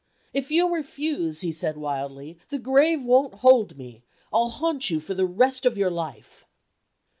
"If you refuse," he said wildly, "the grave won't hold me. I'll haunt you for the rest of your life."